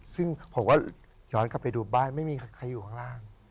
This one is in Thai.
ซึ่งผมก็ย้อนกลับไปดูบ้านไม่มีใครอยู่ข้างล่าง